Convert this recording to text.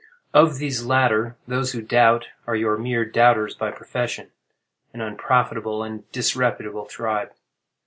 Of these latter, those who doubt, are your mere doubters by profession—an unprofitable and disreputable tribe.